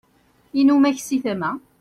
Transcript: inumak si tama